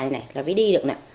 rồi mới đi được